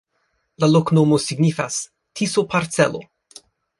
La loknomo signifas: Tiso-parcelo.